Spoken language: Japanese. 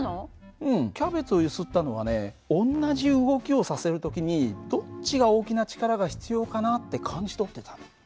うんキャベツを揺すったのはね同じ動きをさせる時にどっちが大きな力が必要かなって感じ取ってたの。